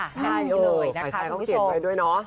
ใช่เลยใครใส่เค้าเกลียดด้วยเนาะ